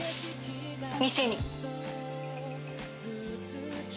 店に。